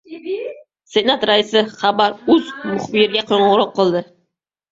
Senat raisi «Xabar.uz» muxbiriga qo‘ng‘iroq qildi